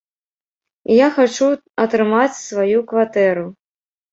І я хачу атрымаць сваю кватэру!